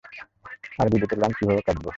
আর বিদ্যুতের লাইন কীভাবে কাটবো?